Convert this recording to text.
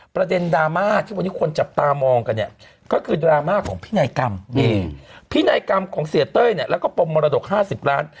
พินายกรรมของเสียเต้ยเนี่ยแล้วก็ปมมรดก๕๐ล้าน